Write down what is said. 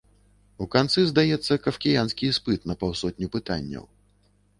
У канцы здаецца кафкіянскі іспыт на паўсотню пытанняў.